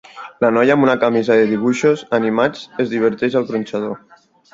La noia amb una camisa de dibuixos animats es diverteix al gronxador.